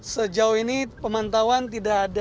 sejauh ini pemantauan tidak terlalu tinggi